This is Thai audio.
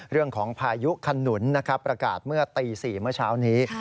พายุขนุนนะครับประกาศเมื่อตี๔เมื่อเช้านี้